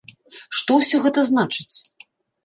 Што ўсё гэта значыць?